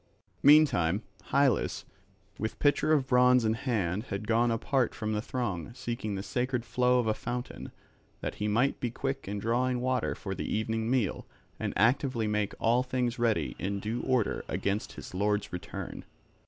Meantime Hylas with pitcher of bronze in hand had gone apart from the throng, seeking the sacred flow of a fountain, that he might be quick in drawing water for the evening meal and actively make all things ready in due order against his lord's return.